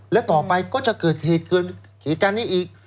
และต่อไปก็จะเกิดเหตุการณ์นี้อีก